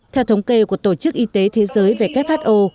theo thống kê của tổ chức y tế thế giới về kho